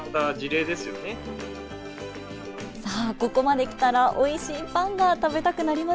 さあここまできたらおいしいパンが食べたくなりましたよね。